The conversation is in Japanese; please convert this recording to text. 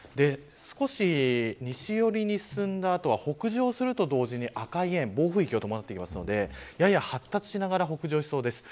少し西寄りに進んだ後は北上すると同時に赤い円、暴風域を伴っているのでやや発達しながら北上しそうです。